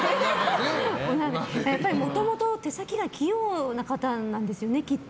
もともと手先が器用な方なんですよね、きっと。